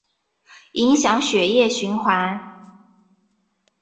影响血液循环